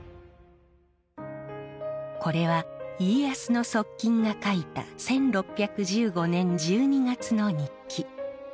これは家康の側近が書いた１６１５年１２月の日記。